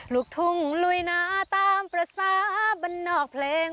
ลูกทุ่งลุยนาตามภาษาบันนอกเพลง